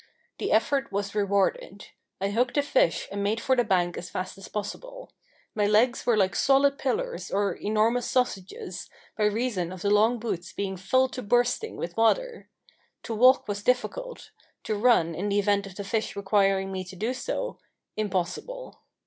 The effort was rewarded. I hooked a fish and made for the bank as fast as possible. My legs were like solid pillars, or enormous sausages, by reason of the long boots being full to bursting with water. To walk was difficult; to run, in the event of the fish requiring me to do so, impossible.